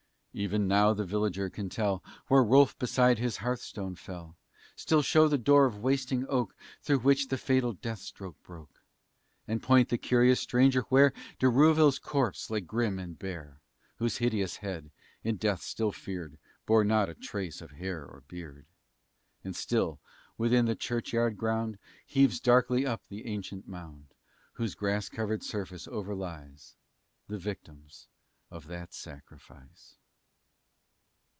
Even now the villager can tell Where Rolfe beside his hearthstone fell, Still show the door of wasting oak, Through which the fatal death stroke broke, And point the curious stranger where De Rouville's corse lay grim and bare; Whose hideous head, in death still feared, Bore not a trace of hair or beard; And still, within the churchyard ground, Heaves darkly up the ancient mound, Whose grass grown surface overlies The victims of that sacrifice.